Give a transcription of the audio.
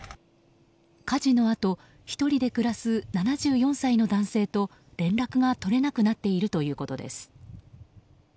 火事のあと１人で暮らす７４歳の男性と連絡が取れなくなっているということです。